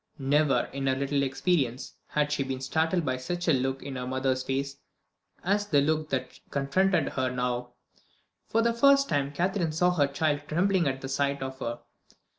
Never, in her little experience, had she been startled by such a look in her mother's face as the look that confronted her now. For the first time Catherine saw her child trembling at the sight of her.